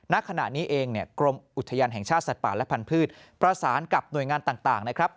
ณขณะนี้เองเนี่ยกรมอุทยานแห่งชาติสัตว์ป่าและพันธุ์ประสานกับหน่วยงานต่างนะครับ